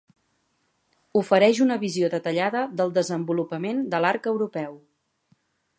Ofereix una visió detallada del desenvolupament de l'arc europeu.